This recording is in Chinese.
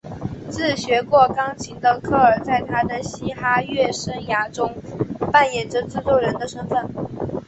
自学过钢琴的科尔在他的嘻哈乐生涯中扮演着制作人的身份。